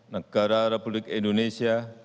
negara republik indonesia